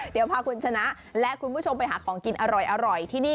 เดี๋ยวพาคุณชนะและคุณผู้ชมไปหาของกินอร่อยที่นี่